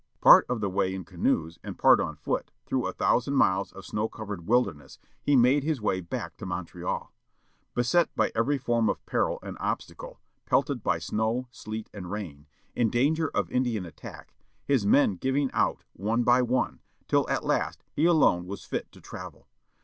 Part of the way in canoes, and part on foot, through a thousand miles of snow covered wilderness, he made his way back to Montreal. Beset by every form of peril and obstacle, pelted by snow, sleet, and rain, in danger of Indian attack, his men giving out one by one, till at last he^^t^r alone was fit to travel.